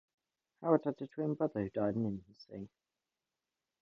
Howard had a twin brother who died in infancy.